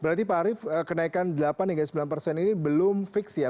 berarti pak arief kenaikan delapan hingga sembilan persen ini belum fix ya